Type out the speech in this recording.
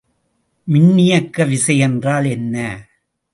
மின்னியக்குவிசை என்றால் என்ன?